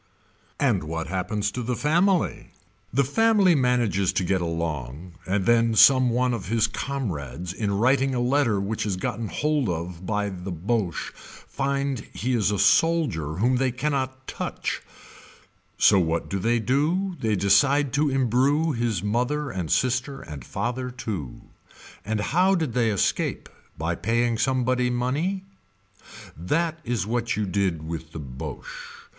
And what happens to the family. The family manages to get along and then some one of his comrades in writing a letter which is gotten hold of by the Boche find he is a soldier whom they cannot touch, so what do they do they decide to embrew his mother and sister and father too. And how did they escape by paying sombody money. That is what you did with the Boche.